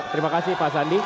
terima kasih pak sandi